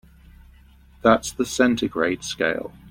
That's the centigrade scale.